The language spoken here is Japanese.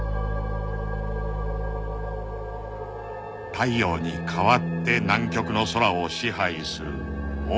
［太陽に代わって南極の空を支配するオーロラ］